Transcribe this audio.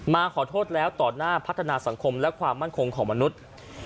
มาขอโทษแล้วต่อหน้าพัฒนาสังคมและความมั่นคงของมนุษย์